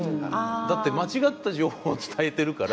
だって間違った情報を伝えてるから。